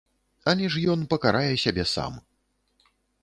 Але ж ён пакарае сябе сам.